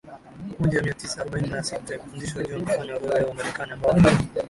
moja mia tisa arobaini na sita kufundishwa John kufanya orodha ya Wamarekani ambao ni